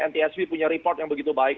ntsv punya report yang begitu baik